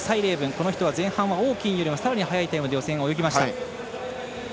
この人は前半は王欣怡よりさらに早いタイムで予選、泳ぎました。